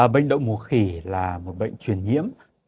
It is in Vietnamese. bệnh động mùa khỉ là một bệnh chuyển nhiễm